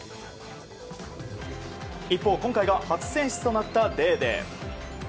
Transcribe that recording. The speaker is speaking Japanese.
一方、今回が初選出となったデーデー。